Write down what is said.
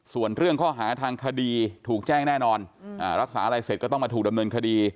ส่วนเรื่องข้อหาทางคดีถูกแจ้งแน่นอนรักษาอะไรเสร็จก็ต้องมาถูกดำเนินคดี